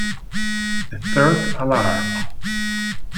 The Third Alarm